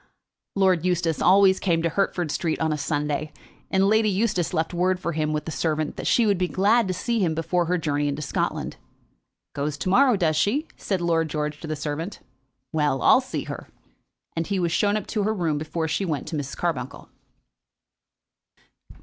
Lord George always came to Hertford Street on a Sunday, and Lady Eustace left word for him with the servant that she would be glad to see him before her journey into Scotland. "Goes to morrow, does she?" said Lord George to the servant. "Well; I'll see her." And he was shown up to her room before he went to Mrs. Carbuncle.